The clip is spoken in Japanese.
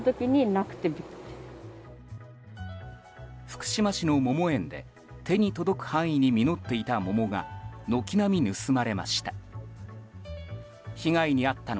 福島市の桃園で手に届く範囲に実っていた桃が軒並み盗まれました。